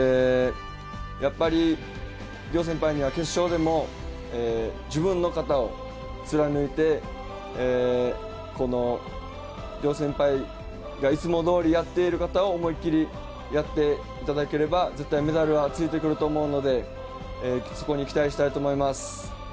諒先輩には決勝でも自分の形を貫いて諒先輩がいつもやっている形を思い切りやっていただければメダルはついてくると思うのでそこに期待したいと思います。